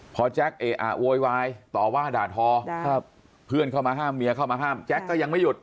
พอแจ๊คเอะอะโวยวายต่อว่าด่าทอเพื่อนเข้ามาห้ามเมียเข้ามาห้ามแจ๊กก็ยังไม่หยุด